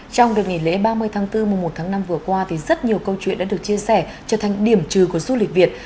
trong đợt nghỉ lễ ba mươi tháng bốn mùa một tháng năm vừa qua thì rất nhiều câu chuyện đã được chia sẻ trở thành điểm trừ của du lịch việt